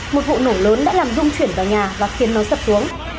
một vụ nổ lớn đã làm rung chuyển vào nhà và khiến nó sập xuống